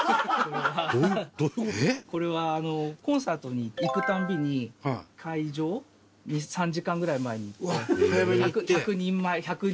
これはコンサートに行くたんびに会場３時間ぐらい前に行って１００人に入るように。